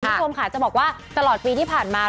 คุณผู้ชมค่ะจะบอกว่าตลอดปีที่ผ่านมา